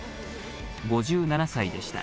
５７歳でした。